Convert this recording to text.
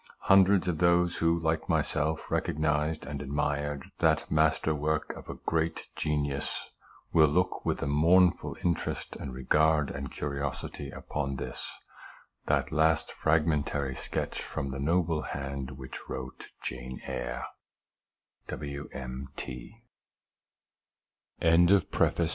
Hundreds of those who, like myself, recognized and admired that master work of a great genius, will look with a mournful interest and regard and curiosity upon this, the last fragmentary sketch from the noble hand which wrote Ja